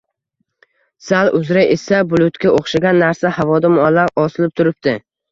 Zal uzra esa bulutga o‘xshagan narsa havoda muallaq osilib turipti...